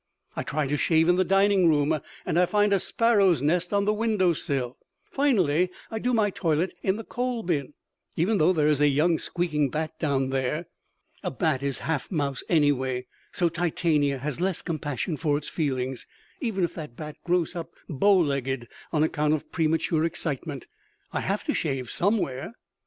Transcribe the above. I try to shave in the dining room and I find a sparrow's nest on the window sill. Finally I do my toilet in the coal bin, even though there is a young squeaking bat down there. A bat is half mouse anyway, so Titania has less compassion for its feelings. Even if that bat grows up bow legged on account of premature excitement, I have to shave somewhere.